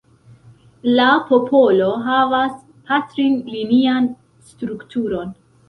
La popolo havas patrinlinian strukturon.